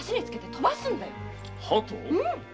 つけて飛ばすんだよ。